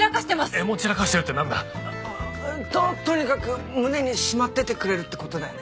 「えも散らかしてる」ってなんだ？ととにかく胸にしまっててくれるって事だよね？